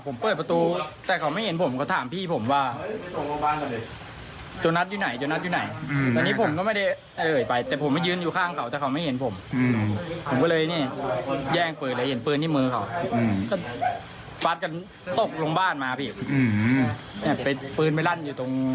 ฟัสกันตกลงบ้านมาพี่ไปปืนไปรั่นอยู่ตรงฝ้ากล้วย